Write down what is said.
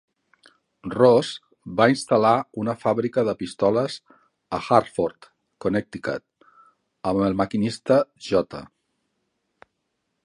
Ross va instal·lar una fàbrica de pistoles a Hartford, Connecticut, amb el maquinista J.